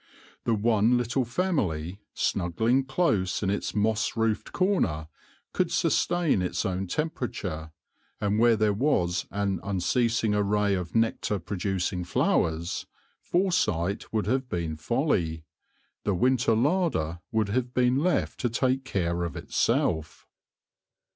The one little family, snugging close in its moss roofed corner, could sustain its own temperature; and where there was an unceasing array of nectar producing flowers, foresight would have been folly : the winter larder would have been left to take care of itself.